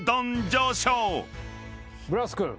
ブラス君。